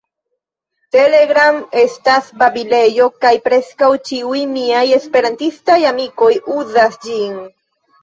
Telegram estas babilejo, kaj preskaŭ ĉiuj miaj Esperantistaj amikoj uzas ĝin.